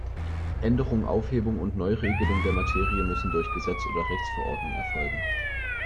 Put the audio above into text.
Änderung, Aufhebung und Neuregelung der Materie müssen durch Gesetz oder Rechtsverordnung erfolgen.